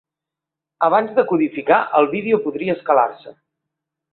Abans de codificar, el vídeo podria escalar-se.